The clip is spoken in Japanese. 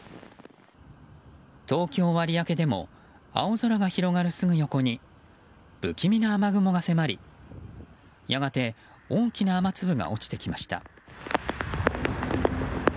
東京・有明でも青空が広がるすぐ横に不気味な雨雲が迫り、やがて大きな雨粒が落ちてきました。